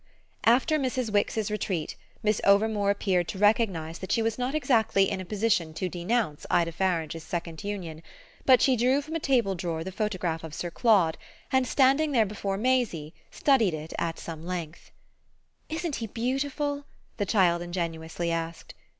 VIII After Mrs. Wix's retreat Miss Overmore appeared to recognise that she was not exactly in a position to denounce Ida Farange's second union; but she drew from a table drawer the photograph of Sir Claude and, standing there before Maisie, studied it at some length. "Isn't he beautiful?" the child ingenuously asked.